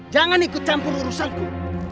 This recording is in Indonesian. jangan ikut campur urusanku